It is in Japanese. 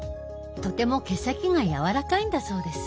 とても毛先がやわらかいんだそうです。